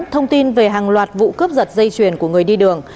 thông tin về hàng loạt vụ cướp giật dây chuyền của người đi đường